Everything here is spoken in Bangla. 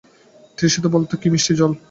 তৃষিতেরা বলত, কী মিষ্টি জল।